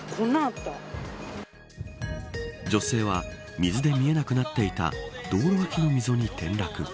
女性は水で見えなくなっていた道路わきの溝に転落。